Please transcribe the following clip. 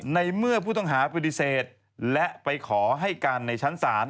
ในเมื่อผู้ต้องหาปฏิเสธและไปขอให้การในชั้นศาล